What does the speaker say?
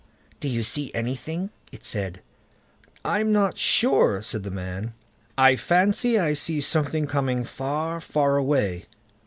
"Do you see anything?" it said. "I'm not sure", said the man; "I fancy I see something coming far far away".